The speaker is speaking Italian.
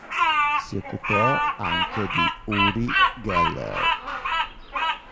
Si occupò anche di Uri Geller.